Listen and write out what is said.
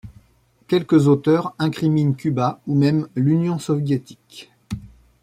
Quelques auteurs incriminent Cuba ou même l'Union soviétique.